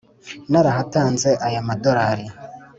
narahatanze ay' amadolari